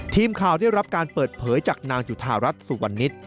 ทีมข่าวได้รับการเปิดเผยจากนางจุธารัฐสุวรรณนิษฐ์